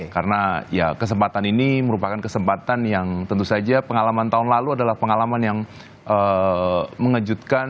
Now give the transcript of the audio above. karena ya kesempatan ini merupakan kesempatan yang tentu saja pengalaman tahun lalu adalah pengalaman yang mengejutkan